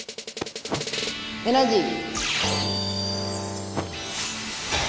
エナジー。